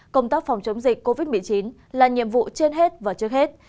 công tác phòng chống dịch covid một mươi chín là nhiệm vụ trên hết và trước hết